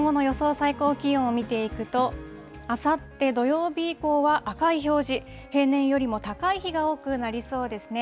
最高気温を見ていくと、あさって土曜日以降は赤い表示、平年よりも高い日が多くなりそうですね。